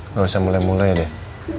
nggak usah mulai mulai deh